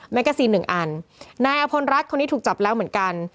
แกซีนหนึ่งอันนายอพลรัฐคนนี้ถูกจับแล้วเหมือนกัน